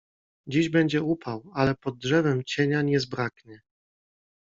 Dziś będzie upał, ale pod drzewem cienia nie zbraknie.